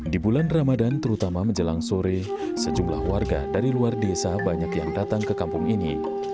di bulan ramadan terutama menjelang sore sejumlah warga dari luar desa banyak yang datang ke kampung ini